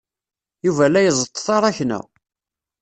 Yuba la iẓeṭṭ taṛakna.